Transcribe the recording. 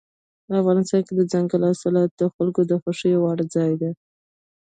افغانستان کې دځنګل حاصلات د خلکو د خوښې وړ ځای دی.